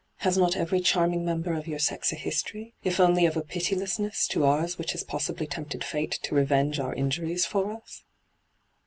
' Has not every charming member of your sex a history, if only of a pitilessness to ours which has possibly tempted fate to revenge our injuqea for us